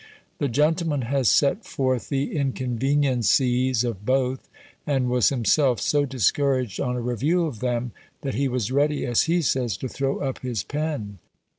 The gentleman has set forth the inconveniencies of both, and was himself so discouraged, on a review of them, that he was ready, as he says, to throw up his pen.